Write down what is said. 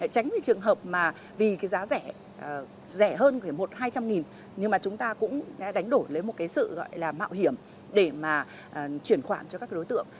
tránh cái trường hợp mà vì cái giá rẻ rẻ hơn một hai trăm linh nhưng mà chúng ta cũng đánh đổi lấy một cái sự gọi là mạo hiểm để mà chuyển khoản cho các đối tượng